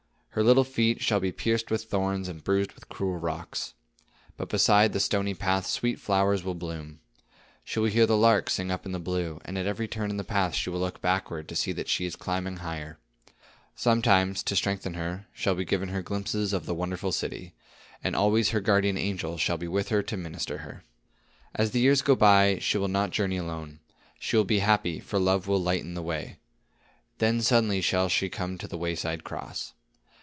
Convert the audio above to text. Her little feet shall be pierced with thorns and bruised with cruel rocks. But beside the stony path sweet flowers will bloom. She will hear the lark sing up in the blue, and at every turn in the path she will look backward and see that she is climbing higher. Sometimes, to strengthen her, shall be given her glimpses of the wonderful city. And always her guardian angel shall be with her to minister to her. "As the years go by, she will not journey alone. She will be happy, for love will lighten the way. Then suddenly shall she come to the wayside cross.